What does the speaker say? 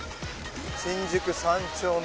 新宿三丁目。